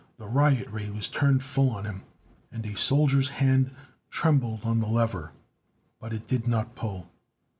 The riot ray was turned full on him, and a soldier's hand trembled on the lever. But it did not pull.